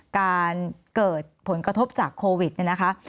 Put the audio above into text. การเกิดผลกระทบจากโควิดเนี่ยนะคะ